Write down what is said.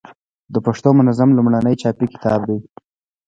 د پښتو منظم لومړنی چاپي کتاب دﺉ.